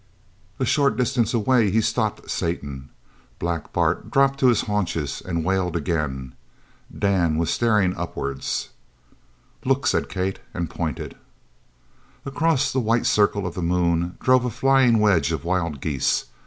A short distance away he stopped Satan. Black Bart dropped to his haunches and wailed again. Dan was staring upwards. "Look!" said Kate, and pointed. Across the white circle of the moon drove a flying wedge of wild geese.